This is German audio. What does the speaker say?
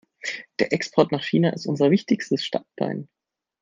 Der Export nach China ist unser wichtigstes Standbein.